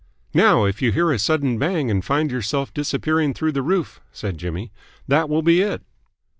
"Now, if you hear a sudden bang and find yourself disappearing through the roof," said Jimmy, "that will be it."